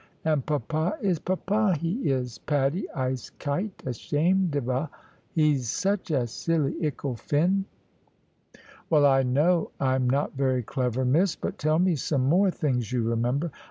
And papa, is papa, he is. Patty, I'se kite ashamed of 'a. 'E's such a silly ickle fin!" "Well, I know I am not very clever, Miss. But tell me some more things you remember."